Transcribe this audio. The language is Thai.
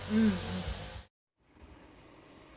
อืม